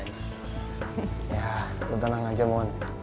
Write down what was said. yah lo tenang aja mohon